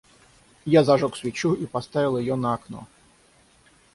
Я зажёг свечу и поставил ее на окно.